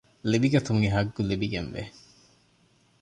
ލިބިގަތުމުގެ ޙައްޤު ލިބިގެން ވޭ